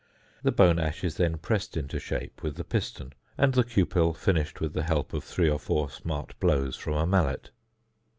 The bone ash is then pressed into shape with the piston, and the cupel finished with the help of three or four smart blows from a mallet.